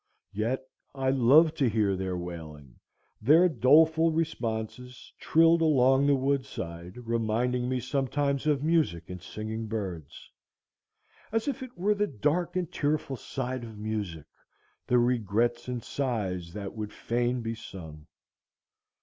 Yet I love to hear their wailing, their doleful responses, trilled along the wood side; reminding me sometimes of music and singing birds; as if it were the dark and tearful side of music, the regrets and sighs that would fain be sung.